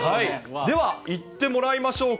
では、いってもらいましょうか。